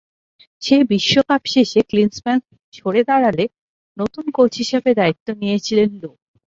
সেই বিশ্বকাপ শেষে ক্লিন্সম্যান সরে দাঁড়ালে নতুন কোচ হিসেবে দায়িত্ব নিয়েছিলেন লো।